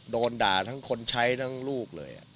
โดนด่าทั้งคนใช้ทั้งลูกเลย